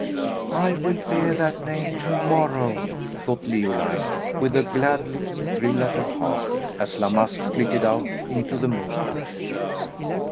"I will hear that name to morrow!" thought Leoline, with a glad little thrill at her heart, as La Masque flitted out into the moonlight.